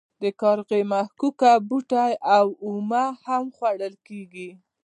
د کارغي مښوکه بوټی اومه هم خوړل کیږي.